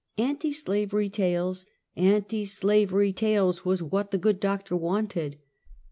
Anti slavery tales, anti slavery tales, was what the good Doctor wanted.